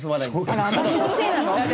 あら私のせいなの？